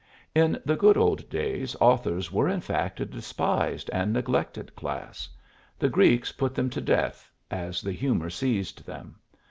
In the good old days authors were in fact a despised and neglected class. The Greeks put them to death, as the humor seized them.